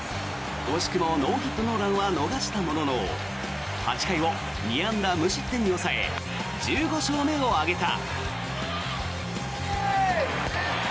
惜しくもノーヒット・ノーランは逃したものの８回を２安打無失点に抑え１５勝目を挙げた。